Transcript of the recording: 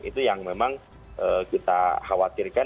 itu yang memang kita khawatirkan